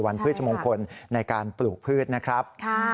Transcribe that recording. พฤชมงคลในการปลูกพืชนะครับ